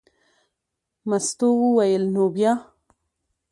مستو وویل: نو بیا.